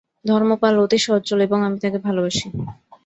ধর্মপাল অতি সজ্জন এবং আমি তাঁকে ভালবাসি।